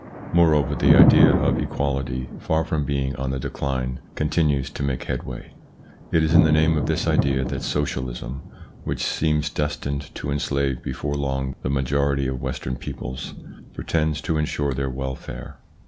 Moreover the idea of equality, far from being on the decline, continues to make headway. It is in the name of this idea that socialism, which seems destined to enslave before long the majority of Western peo ples, pretends to ensure their welfare.